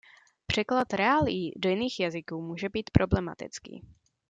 Překlad reálií do jiných jazyků může být problematický.